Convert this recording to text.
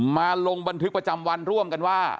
มาลงบันทึกประจำวันร่วมกันว่า